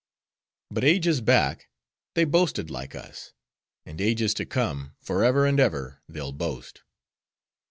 — But ages back they boasted like us; and ages to come, forever and ever, they'll boast.